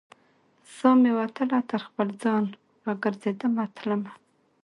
سا مې وتله تر خپل ځان، را ګرزیدمه تلمه